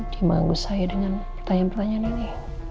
dia mengganggu saya dengan pertanyaan pertanyaan ini